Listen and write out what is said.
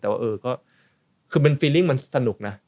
แต่คือมันคือมันสนุกนะ